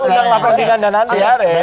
undanglah ferdinand dan andi